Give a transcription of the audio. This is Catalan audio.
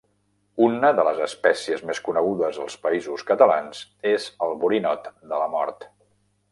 Una de les espècies més conegudes als Països Catalans és el borinot de la mort.